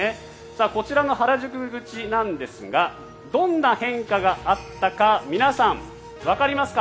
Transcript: こちらが原宿口なんですがどんな変化があったか皆さん、わかりますか？